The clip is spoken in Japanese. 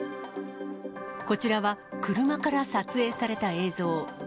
こちらは車から撮影された映像。